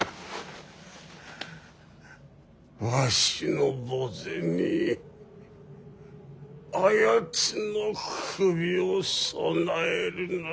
わしの墓前にあやつの首を供えるのだ。